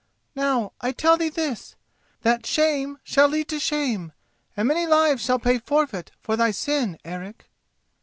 Now, I tell thee this: that shame shall lead to shame, and many lives shall pay forfeit for thy sin, Eric."